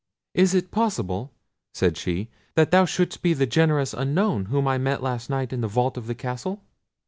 "Is it possible," said she, "that thou shouldst be the generous unknown whom I met last night in the vault of the castle?